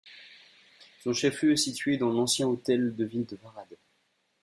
Son chef-lieu est situé dans l'ancien hôtel de ville de Varades.